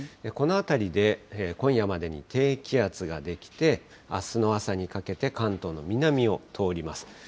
この辺りで今夜までに低気圧が出来て、あすの朝にかけて関東の南を通ります。